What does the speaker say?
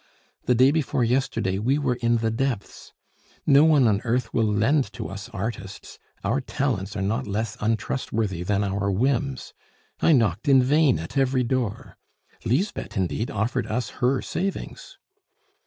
The day before yesterday we were in the depths! No one on earth will lend to us artists. Our talents are not less untrustworthy than our whims. I knocked in vain at every door. Lisbeth, indeed, offered us her savings."